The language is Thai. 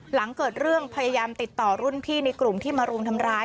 หลังเกิดเรื่องพยายามติดต่อรุ่นพี่ในกลุ่มที่มารุมทำร้าย